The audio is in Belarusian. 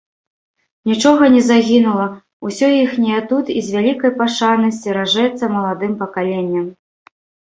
Нічога не загінула, усё іхняе тут і з вялікай пашанай сцеражэцца маладым пакаленнем.